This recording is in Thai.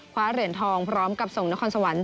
เหรียญทองพร้อมกับส่งนครสวรรค์